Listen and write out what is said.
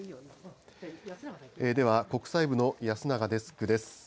では、国際部の安永デスクです。